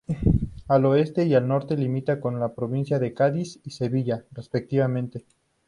Al oeste y al norte, limita con las provincia de Cádiz y Sevilla respectivamente.